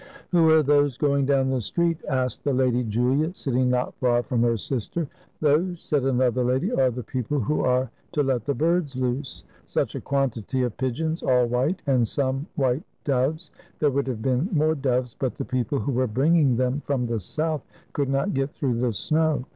"Who are those going down the street?" asked the Lady Julia, sitting not far from her sister. "Those," said another lady, "are the people who are to let the birds loose. Such a quantity of pigeons, all white, and some white doves. There would have been more doves, but the people who were bringing them from the south could not get through the snow.